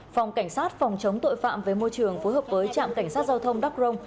phòng cảnh sát phòng chống tội phạm với môi trường phối hợp với trạm cảnh sát giao thông đắk rông